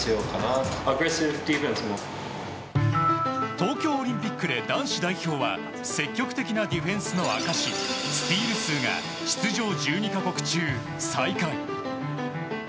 東京オリンピックで男子代表は積極的なディフェンスの証しスチール数が出場１２か国中最下位。